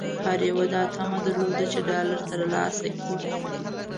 هر یوه دا طمعه درلوده چې ډالر ترلاسه کړي.